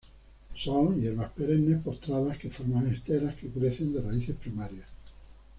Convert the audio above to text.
Son hierbas perennes postradas, que forman esteras que crecen de raíces primarias.